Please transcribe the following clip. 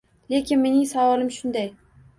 Lekin mening savolim shunday